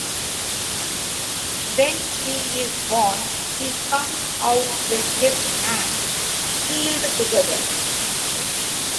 When he is born, he comes out with his hands sealed together.